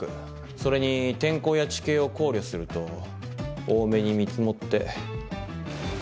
それに天候や地形を考慮すると多めに見積もって。